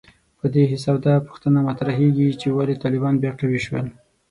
په دې حساب دا پوښتنه مطرحېږي چې ولې طالبان بیا قوي شول